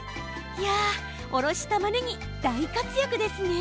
いやあ、おろしまねぎ大活躍ですね。